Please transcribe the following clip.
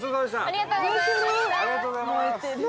ありがとうございます。